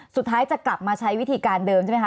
สุดท้ายจะกลับมาใช้วิธีการเดิมใช่ไหมคะ